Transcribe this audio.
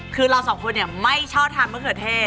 คือเราสองคนเนี่ยไม่ชอบทานมะเขือเทศ